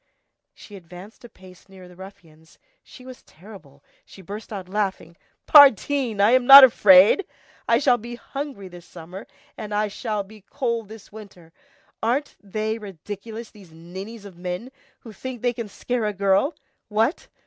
She advanced a pace nearer the ruffians, she was terrible, she burst out laughing:— "Pardine! I'm not afraid. I shall be hungry this summer, and I shall be cold this winter. Aren't they ridiculous, these ninnies of men, to think they can scare a girl! What!